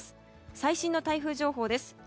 最新の台風情報です。